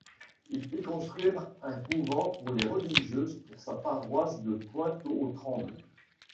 Il fit construire un couvent pour les religieuses pour sa paroisse de Pointe-aux-Trembles.